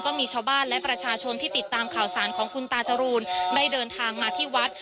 ก็มีชาวบ้านและประชาชนที่ติดตามข่าวสารของคุณตาจรูนได้เดินทางมาที่วัด